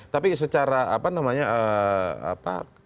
tapi secara apa namanya apa